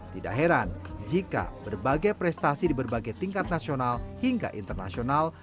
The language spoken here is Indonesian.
tidak heran jika berbagai prestasi di berbagai tingkat nasional hingga internasional